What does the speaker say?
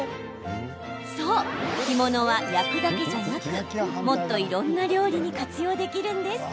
そう、干物は焼くだけじゃなくもっといろんな料理に活用できるんです。